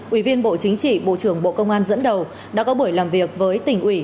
ủy viên bộ chính trị bộ trưởng bộ công an dẫn đầu đã có buổi làm việc với tỉnh ủy